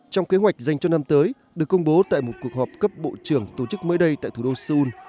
trong kế hoạch dành cho năm tới được công bố tại một cuộc họp cấp bộ trưởng tổ chức mới đây tại thủ đô seoul